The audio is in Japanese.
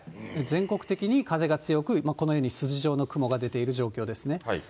全国的に風が強く、このように筋状の雲が出ている状況ですね。